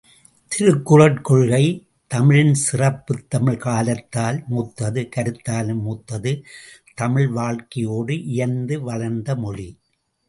திருக்குறட் கொள்கை தமிழின் சிறப்பு தமிழ் காலத்தால் மூத்தது கருத்தாலும் மூத்தது, தமிழ் வாழ்க்கையோடு இயைந்து வளர்ந்த மொழி.